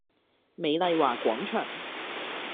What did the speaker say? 美麗華廣場